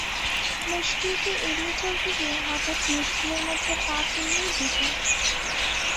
মুশকিলকে এড়িয়ে চলতে গিয়ে হঠাৎ মুশকিলের মধ্যে পা ফেললেই বিপদ।